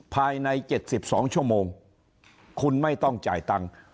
ภายใน๗๒ชั่วโมงคุณไม่ต้องจ่ายตังค์